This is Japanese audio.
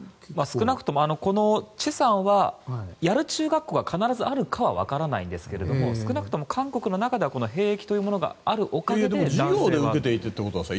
チェさんはやる中学校が必ずあるかは分からないんですが少なくとも韓国の中では兵役というものがあるおかげで。